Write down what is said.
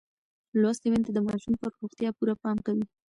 لوستې میندې د ماشوم پر روغتیا پوره پام کوي.